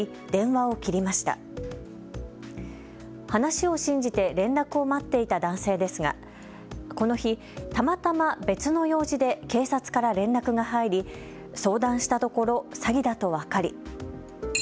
話を信じて連絡を待っていた男性ですが、この日、たまたま別の用事で警察から連絡が入り相談したところ詐欺だと分かり。